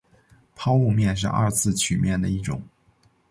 抛物面是二次曲面的一种。